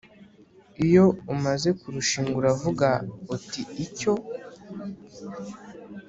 Iyo umaze kurushinga uravuga uti icyo